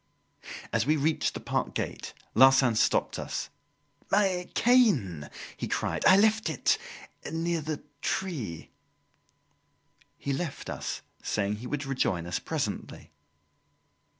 As we reached the park gate, Larsan stopped us. "My cane!" he cried. "I left it near the tree." He left us, saying he would rejoin us presently.